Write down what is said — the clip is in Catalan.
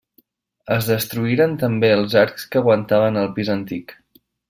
Es destruïren també els arcs que aguantaven el pis antic.